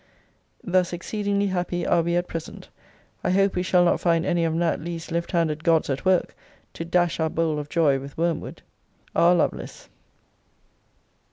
Thus exceedingly happy are we at present. I hope we shall not find any of Nat. Lee's left handed gods at work, to dash our bowl of joy with wormwood. R. LOVELACE.